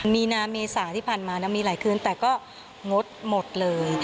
มีนาเมษาที่ผ่านมานะมีหลายคืนแต่ก็งดหมดเลย